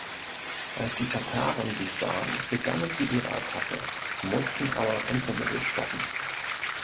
Als die Tataren dies sahen, begannen sie ihre Attacke, mussten aber unvermittelt stoppen.